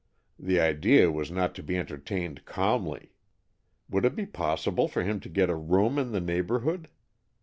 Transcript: The idea was not to be entertained calmly. Would it be possible for him to get a room in the neighborhood?